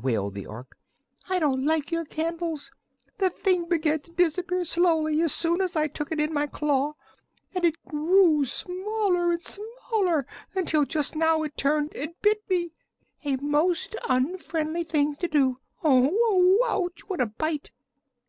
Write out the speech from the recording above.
wailed the Ork. "I don't like your candles. The thing began to disappear slowly as soon as I took it in my claw, and it grew smaller and smaller until just now it turned and bit me a most unfriendly thing to do. Oh oh! Ouch, what a bite!"